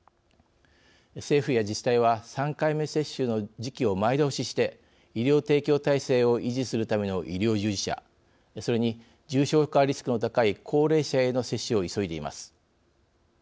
政府や自治体は３回目接種の時期を前倒しして医療提供体制を維持するための医療従事者、それに重症化のリスクの高い高齢者への接種を急いでいます。